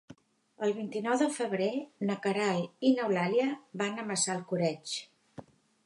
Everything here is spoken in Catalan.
El vint-i-nou de febrer na Queralt i n'Eulàlia van a Massalcoreig.